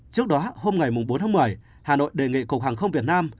trước đó hôm ngày bốn tháng một mươi hà nội đề nghị cục hàng không việt nam